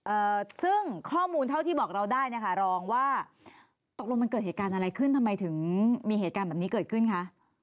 เอ่อซึ่งข้อมูลเท่าที่บอกเราได้เนี่ยค่ะรองว่าตกลงมันเกิดเหตุการณ์อะไรขึ้นทำไมถึงมีเหตุการณ์แบบนี้เกิดขึ้นคะ